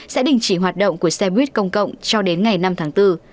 sẽ đình chỉ hoạt động của xe buýt công cộng cho đến ngày năm tháng bốn